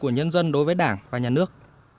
nhân dân đối với đảng và nhà nước